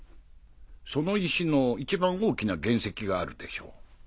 その石の一番大きな原石があるでしょ。